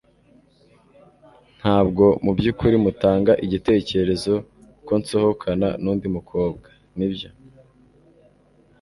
Ntabwo mu byukuri mutanga igitekerezo ko nsohokana nundi mukobwa, nibyo?